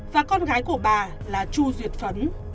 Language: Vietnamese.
và con gái của bà là chu duyệt phấn